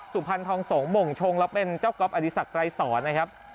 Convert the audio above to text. สูพันธ์ทองสงหม่อชงแล้วเป็นเจ้าก๊อฟอดิษันไกรศรนะครับ